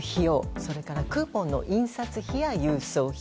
それからクーポンの印刷費や郵送費。